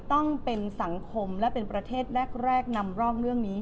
ต้องเป็นสังคมและเป็นประเทศแรกนำร่องเรื่องนี้